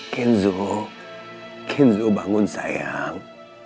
kenzo kenzo bangun sayang